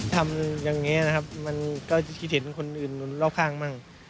ทำอย่างนี้นะครับมันก็คิดเห็นคนอื่นรอบข้างมั่ง